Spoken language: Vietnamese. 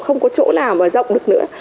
không có chỗ nào mà rộng được nữa